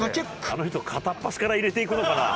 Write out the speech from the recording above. あの人片っ端から入れていくのかな？